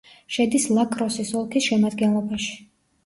შედის ლა-კროსის ოლქის შემადგენლობაში.